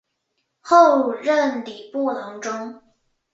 后任礼部郎中。